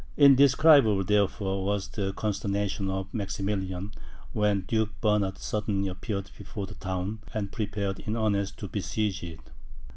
Indescribable, therefore, was the consternation of Maximilian, when Duke Bernard suddenly appeared before the town, and prepared in earnest to besiege it.